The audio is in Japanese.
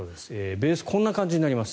ベース、こんな感じになります。